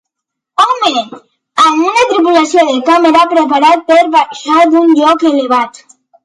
Home amb una tripulació de càmera preparats per baixar d'un lloc elevat.